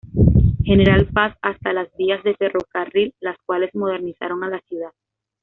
General Paz hasta las vías del ferrocarril, las cuales modernizaron a la ciudad.